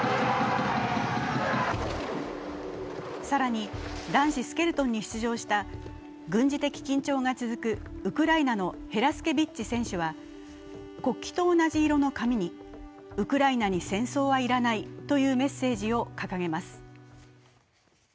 更に、男子スケルトンに出場した軍事的緊張が続くウクライナのヘラスケビッチ選手は国旗と同じ色の紙にウクライナに戦争は要らないというメッセージを掲げます。